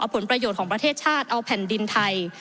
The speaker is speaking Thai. ผลประโยชน์ของประเทศชาติเอาแผ่นดินไทย